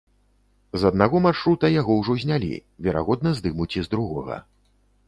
З аднаго маршрута яго ўжо знялі, верагодна, здымуць і з другога.